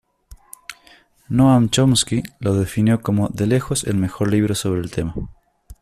Noam Chomsky lo definió como "De lejos el mejor libro sobre el tema".